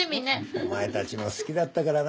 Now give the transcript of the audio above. お前たちも好きだったからな。